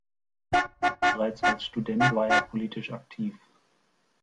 Bereits als Student war er politisch aktiv.